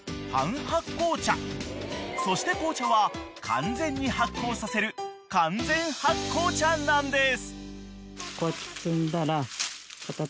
［そして紅茶は完全に発酵させる完全発酵茶なんです］